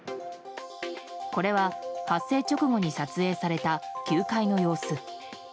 これは発生直後に撮影された９階の様子。